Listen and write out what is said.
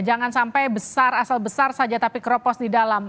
jangan sampai besar asal besar saja tapi keropos di dalam